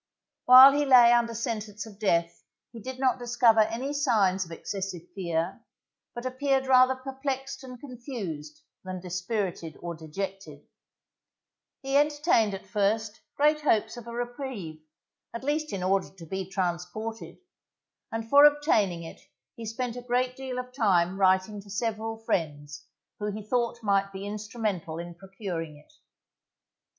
While he lay under sentence of death he did not discover any signs of excessive fear, but appeared rather perplexed and confused than dispirited or dejected. He entertained at first great hopes of a reprieve, at least in order to be transported, and for obtaining it he spent a great deal of time writing to several friends who he thought might be instrumental in procuring it.